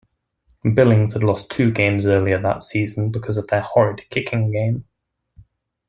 Billings had lost two games earlier that season because of their horrid kicking game.